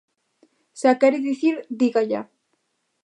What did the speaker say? Se a quere dicir, dígalla.